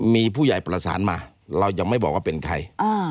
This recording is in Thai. มีผู้ใหญ่ประสานมาเรายังไม่บอกว่าเป็นใคร